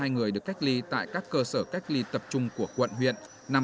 hai trăm hai mươi hai người được cách ly tại các cơ sở cách ly tập trung của quận huyện